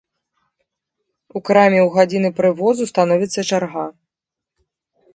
У краме ў гадзіны прывозу становіцца чарга.